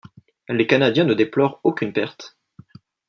Les Canadiens ne déplorent aucune perte.